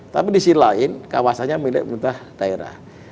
tapi di sisi lain kawasannya milik pemerintah daerah